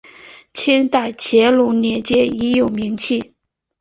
清代乾隆年间已有名气。